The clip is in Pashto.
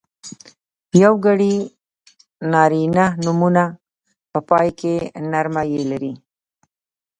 یوګړي نرينه نومونه په پای کې نرمه ی لري.